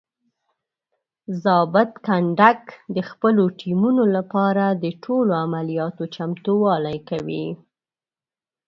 ضابط کنډک د خپلو ټیمونو لپاره د ټولو عملیاتو چمتووالی کوي.